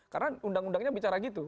karena undang undangnya bicara begitu